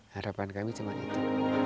harapan kami cuma itu